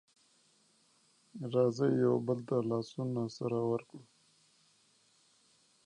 The song was praised by critics for its lyricism and storytelling.